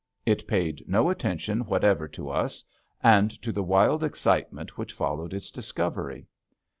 It paid no attention whatever to us and to the wild excitement which followed its discovery.